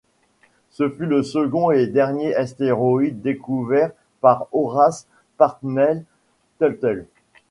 Ce fut le second et dernier astéroïde découvert par Horace Parnell Tuttle.